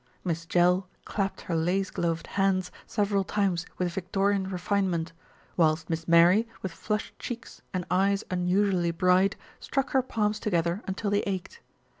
Miss Jell clapped her lace gloved hands several times with Vic torian refinement, whilst Miss Mary, with flushed cheeks and eyes unusually bright, struck her palms to gether until they ached.